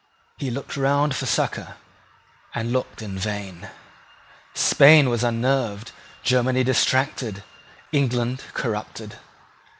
He looked round for succour, and looked in vain. Spain was unnerved, Germany distracted, England corrupted.